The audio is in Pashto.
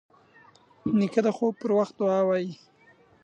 نیکه د خوب پر وخت دعا وايي.